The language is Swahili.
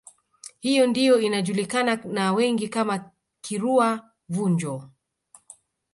Hiyo ndiyo inajulikana na wengi kama Kirua Vunjo